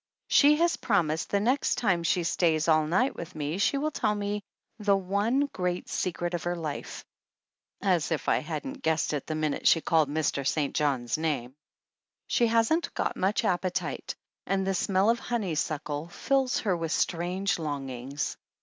She has promised the next time she stays all night with me she will tell me the one great se cret of her life (as if I hadn't guessed it the minute she called Mr. St. John's name.) She hasn't got much appetite and the smell of honeysuckle fills her with strange longings.